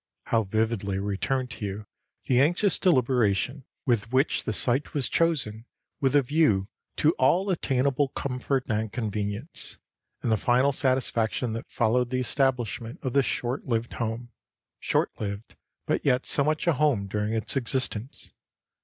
How vividly return to you the anxious deliberation with which the site was chosen with a view to all attainable comfort and convenience, and the final satisfaction that followed the establishment of this short lived home, short lived but yet so much a home during its existence.